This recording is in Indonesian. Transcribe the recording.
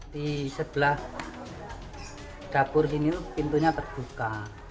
di sebelah dapur sini pintunya terbuka